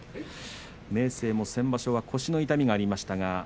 明生も先場所は腰の痛みがありました。